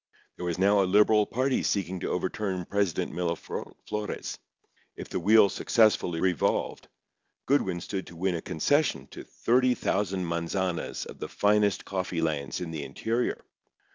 There was now a Liberal party seeking to overturn President Miraflores. If the wheel successfully revolved, Goodwin stood to win a concession to 30,000 manzanas of the finest coffee lands in the interior.